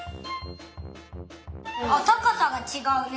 あったかさがちがうね。